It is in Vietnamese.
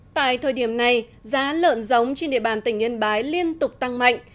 tại thời điểm này giá lợn giống trên địa bàn tỉnh yên bái liên tục tăng mạnh